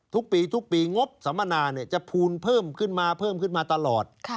ทุกปีงบสมนาจะพูนเพิ่มขึ้นมาขึ้นมาตลอด